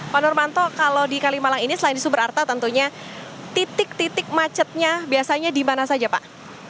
pak nurmanto kalau di kalimalang ini selain di subrata tentunya titik titik macetnya biasanya di mana saja pak